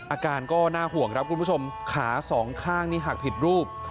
อาการก็น่าห่วงครับคุณผู้ชมขาสองข้างนี่หักผิดรูป